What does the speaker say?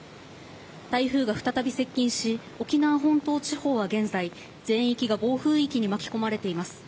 台風が再び接近し沖縄本島地方は現在全域が暴風域に巻き込まれています。